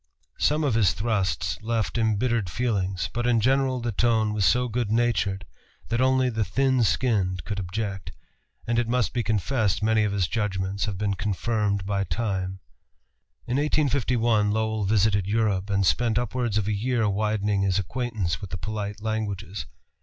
Some of his thrusts left embittered feelings, but in general the tone was so good natured that only the thin skinned could object, and it must be confessed many of his judgments have been confirmed by Time. In 1851 Lowell visited Europe, and spent upwards of a year widening his acquaintance with the polite languages.